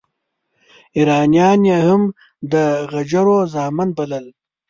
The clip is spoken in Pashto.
ایرانیان یې هم د غجرو زامن بلل.